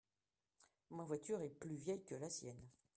Ma voiture est plus vieille que la sienne.